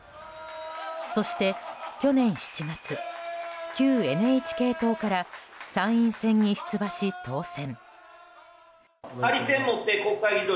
そして去年７月、旧ＮＨＫ党から参院選に出馬し当選。